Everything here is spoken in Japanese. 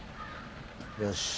よし。